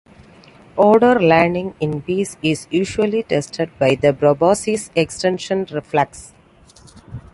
Odor learning in bees is usually tested by the proboscis extension reflex.